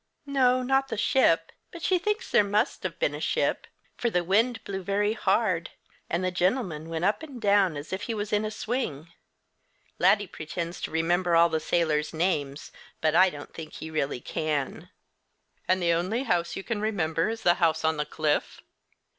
"No, not the ship; but she thinks there must have been a ship, for the wind blew very hard, and the gentleman went up and down as if he was in a swing. Laddie pretends to remember all the sailors' names, but I don't think he really can." "And the only house you can remember is the house on the cliff?"